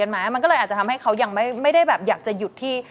มันก็เลยอาจจะทำให้เขายังไม่ได้แบบอยากจะหยุดที่